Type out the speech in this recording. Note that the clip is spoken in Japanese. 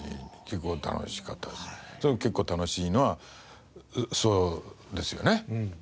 結構楽しいのはそうですよね。